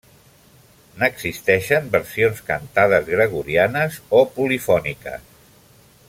N'existeixen versions cantades gregorianes o polifòniques.